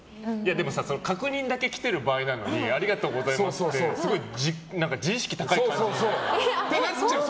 でも確認だけ来てる場合なのにありがとうございますってすごい自意識高い感じになるよ。